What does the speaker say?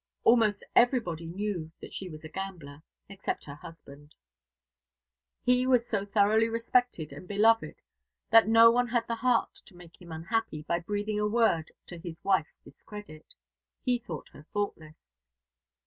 Almost everybody knew that she was a gambler, except her husband. He was so thoroughly respected and beloved that no one had the heart to make him unhappy by breathing a word to his wife's discredit. He thought her faultless.